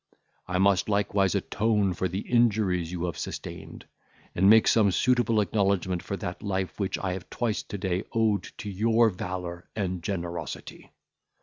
I must likewise atone for the injuries you have sustained, and make some suitable acknowledgment for that life which I have twice to day owed to your valour and generosity.